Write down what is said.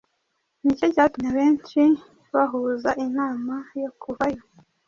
ni cyo cyatumye abenshi bahuza inama yo kuvayo,